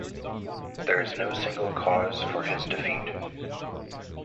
There is no single cause for his defeat.